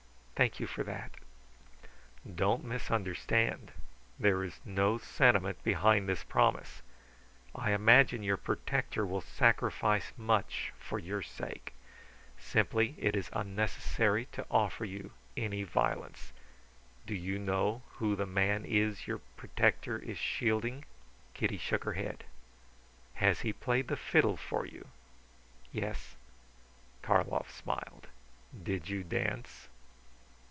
"Thank you for that." "Don't misunderstand. There is no sentiment behind this promise. I imagine your protector will sacrifice much for your sake. Simply it is unnecessary to offer you any violence. Do you know who the man is your protector is shielding?" Kitty shook her head. "Has he played the fiddle for you?" "Yes." Karlov smiled. "Did you dance?"